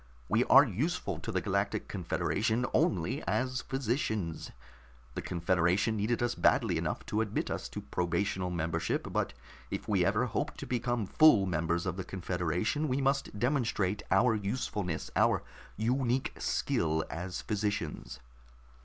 We are useful to the Galactic Confederation only as physicians. The confederation needed us badly enough to admit us to probational membership, but if we ever hope to become full members of the confederation, we must demonstrate our usefulness, our unique skill, as physicians.